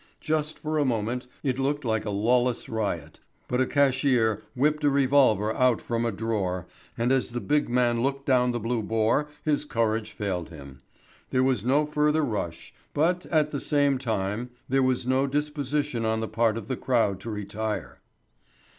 Just for a moment it looked like a lawless riot, but a cashier whipped a revolver out from a drawer, and as the big man looked down the blue bore his courage failed him. There was no further rush, but at, the same time there was no disposition on the part of the crowd to retire.